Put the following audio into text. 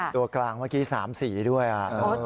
ตัวกลางเมื่อกี้สามสีนะ